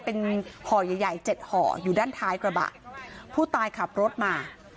เป็นห่อใหญ่ใหญ่เจ็ดห่ออยู่ด้านท้ายกระบะผู้ตายขับรถมา